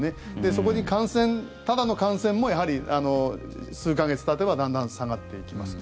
そこに感染ただの感染もやはり数か月たてばだんだん下がっていきます。